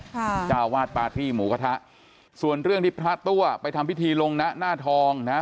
เจ้าวาดปาร์ตี้หมูกระทะส่วนเรื่องที่พระตัวไปทำพิธีลงนะหน้าทองนะฮะ